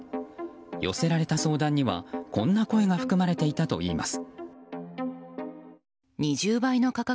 寄せられた相談には、こんな声が含まれていたといいます。